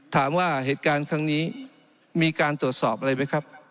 ถามว่าเหตุการณ์ครั้งนี้มีการตรวจสอบอะไรไหมครับ